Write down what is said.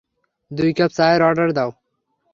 দুই কাপ চায়ের অর্ডার দাও।